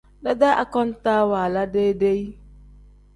Dedee akontaa waala deyi-deyi.